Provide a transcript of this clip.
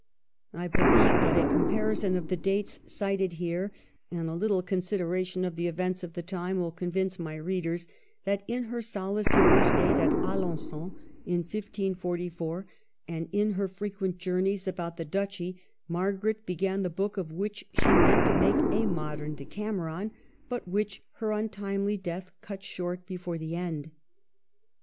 I believe that a comparison of the dates cited here, and a little consideration of the events of the time, will convince my readers that in her solitary state at Alengon in 1544, and in her frequent journeys about the duchy, Marga ret began the book of which she meant to make a modern " Decameron," but which her untimely death cut short before the end.